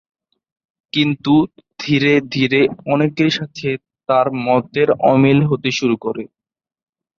কিন্তু ধীরে ধীরে অনেকের সাথে তাঁর মতের অমিল হতে শুরু করে।